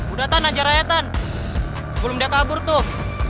udah tan aja raya tan sebelum dia kabur tuh